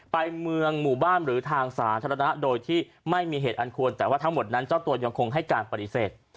ไปเมืองหมู่บ้านหรือทางสาธารณะโดยที่ไม่มีเหตุอันควรแต่ว่าทั้งหมดนั้นเจ้าตัวยังคงให้การปฏิเสธ